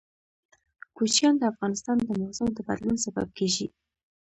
کوچیان د افغانستان د موسم د بدلون سبب کېږي.